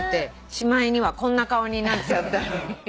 しまいにはこんな顔になっちゃったり。